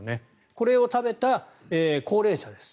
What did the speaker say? これを食べた高齢者です。